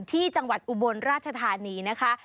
ที่จังหวัดอุบลราชธานีนะคะ